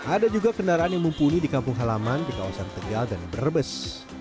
ada juga kendaraan yang mumpuni di kampung halaman di kawasan tegal dan berbes